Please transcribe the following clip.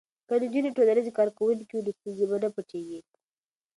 که نجونې ټولنیزې کارکوونکې وي نو ستونزې به نه پټیږي.